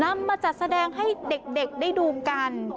นำมาจัดแสดงให้เด็กได้ดูกัน